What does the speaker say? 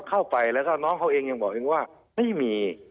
เข้าไปแล้วก็น้องเขาเองยังบอกเองว่าไม่มี